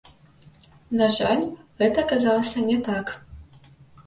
На жаль, гэта аказалася не так.